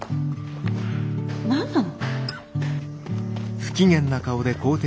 何なの？